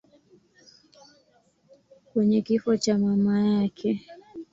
kwenye kifo cha mama yake.